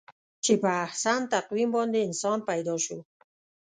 چې په احسن تقویم باندې انسان پیدا شو.